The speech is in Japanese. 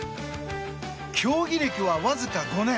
競技歴は、わずか５年。